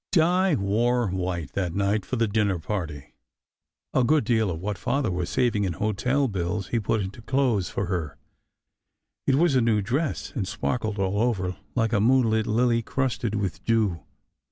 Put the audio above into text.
Di wore white that night for the dinner party. A good deal of what Father was saving in hotel bills he put into clothes for her. It was a new dress, and sparkled all over like a moonlit lily crusted with dew.